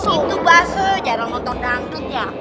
itu base jarang nonton dangdutnya